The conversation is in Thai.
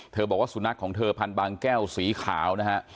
เธอบอกว่าสุนัขของเธอพันธุ์บางแก้วสีขาว